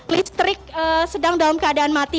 listrik sedang dalam keadaan mati